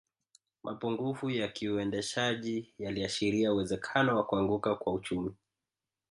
Mapungufu ya kiuendeshaji yaliashiria uwezekano wa kuanguka kwa uchumi